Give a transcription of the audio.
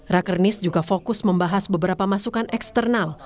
rakernis juga fokus membahas beberapa masukan eksternal